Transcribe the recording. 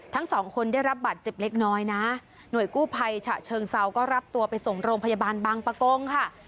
ทั้งสองคนได้รับบัตรเจ็บเล็กน้อยนะหน่วยกู้ภัยฉะเชิงเซาก็รับตัวไปส่งโรงพยาบาลบางประกงค่ะ